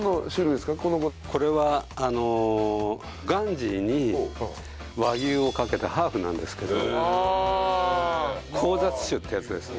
これはガンジーに和牛をかけたハーフなんですけど交雑種っていうやつです。